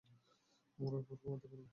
মরার পর ঘুমাতে পারবে!